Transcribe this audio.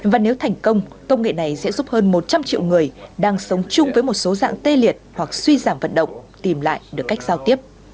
và nếu thành công công nghệ này sẽ giúp hơn một trăm linh triệu người đang sống chung với một số dạng tê liệt hoặc suy giảm vận động tìm lại được cách giao tiếp